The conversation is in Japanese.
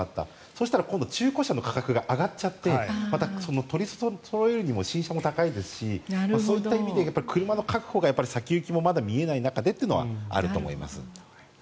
そうしたら今度は中古車の価格が上がっちゃってまた取りそろえるにも新車が高いですしそういった意味で車の確保が先行きもまだ見えない中でというのはあると思います。